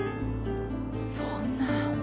そんな！